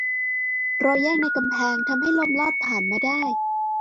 รอยแยกในกำแพงทำให้ลมลอดผ่านมาได้